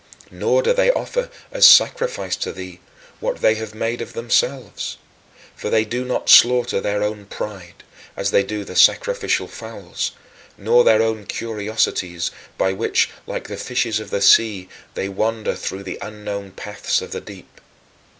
Nor do they offer, as sacrifice to thee, what they have made of themselves. For they do not slaughter their own pride as they do the sacrificial fowls nor their own curiosities by which, like the fishes of the sea, they wander through the unknown paths of the deep.